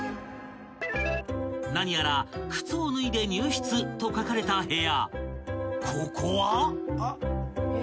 ［何やら「靴を脱いで入室」と書かれた部屋］